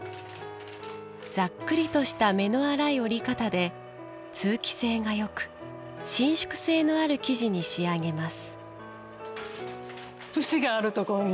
ざっくりとした目の粗い織り方で通気性がよく伸縮性のある生地に仕上げます。